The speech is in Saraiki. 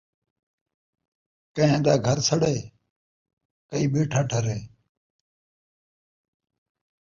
کئیں دا گھر سڑے ، کئی ٻیٹھا ٹھرے